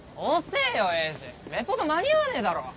レポート間に合わねえだろ。